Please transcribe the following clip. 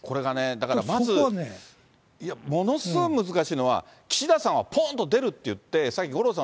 だからまず、ものすごい難しいのは、岸田さんはぽんと出るって言って、さっき五郎さん